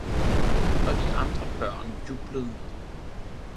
og de andre børn jublede med.